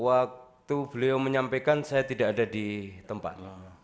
waktu beliau menyampaikan saya tidak ada di tempat